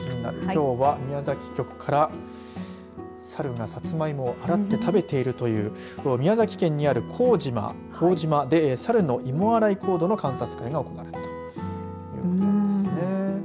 きょうは宮崎局から猿がさつまいもを洗って食べているという宮崎県にある幸島で猿の芋洗い行動の観察会が行われたということですね。